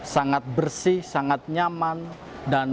sangat bersih sangat nyaman